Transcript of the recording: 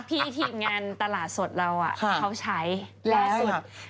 พี่ทีปงานตลาดสดเราอะเขาใช้แรกสุด